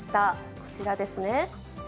こちらですね。